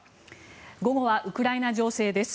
午後はウクライナ情勢です。